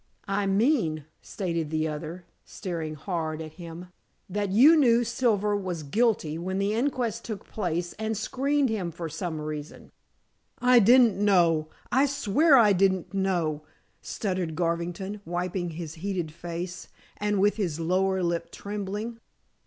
"I mean," stated the other, staring hard at him, "that you knew Silver was guilty when the inquest took place, and screened him for some reason." "I didn't know; I swear I didn't know!" stuttered Garvington, wiping his heated face, and with his lower lip trembling.